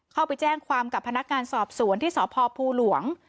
เข้าไปแจ้งความกับพนักงานสอบสวนที่สพภูหลวง